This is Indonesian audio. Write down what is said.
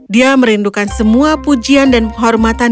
dia merindukan semua pujian dan penghormatan